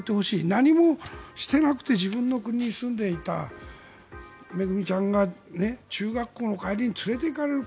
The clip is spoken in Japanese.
何もしていなくて、自分の国に住んでいためぐみちゃんが中学校の帰りに連れていかれる。